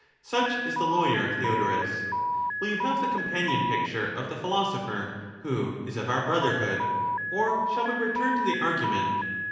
Such is the lawyer, Theodorus. Will you have the companion picture of the philosopher, who is of our brotherhood ; or shall we return to the argument?